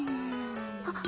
あっ。